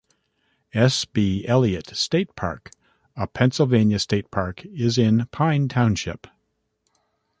S. B. Elliott State Park a Pennsylvania state park is in Pine Township.